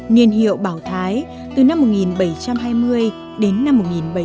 niên hiệu bảo thái từ năm một nghìn bảy trăm hai mươi đến năm một nghìn bảy trăm bảy mươi